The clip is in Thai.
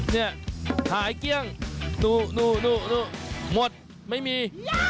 เนี่ยหาไอ้เกี้ยงนู่หมดไม่มี